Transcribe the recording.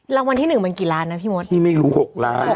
รางวัลที่หนึ่งมันกี่ล้านนะพี่มดพี่ไม่รู้หกล้าน